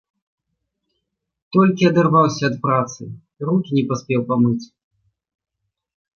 Толькі адарваўся ад працы, рукі не паспеў памыць.